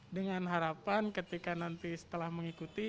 dengan harapan ketika nanti setelah mengikuti